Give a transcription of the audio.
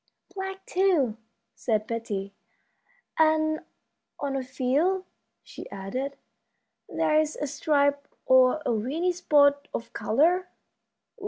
"Black, too," said Betty; "and on a few," she added, "there's a stripe or a weeny spot of color."